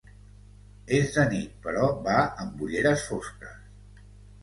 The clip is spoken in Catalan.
És de nit però va amb ulleres fosques.